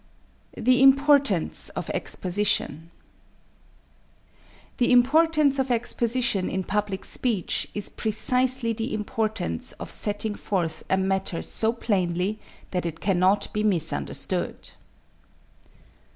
The Importance of Exposition The importance of exposition in public speech is precisely the importance of setting forth a matter so plainly that it cannot be misunderstood.